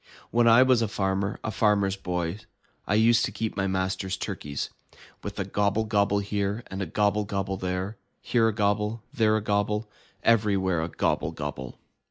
When I was a farmer, a Farmer's Boy, I used to keep my master's turkeys. With a gobble gobble here, and a gobble gobble there, Here a gobble, there a gobble. Everywhere a gobble gobble!